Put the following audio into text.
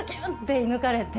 射抜かれて。